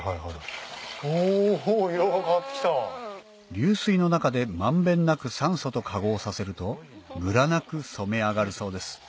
流水の中で満遍なく酸素と化合させるとムラなく染め上がるそうです